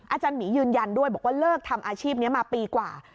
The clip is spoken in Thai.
อาจารย์หมียืนยันด้วยบอกว่าเลิกทำอาชีพนี้มาปีกว่า